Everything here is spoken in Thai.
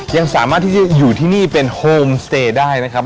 ยังสามารถที่จะอยู่ที่นี่เป็นโฮมสเตย์ได้นะครับ